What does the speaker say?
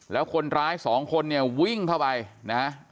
แล้วคนร้ายสองคนเนี่ยวิ่งเข้าไปนะ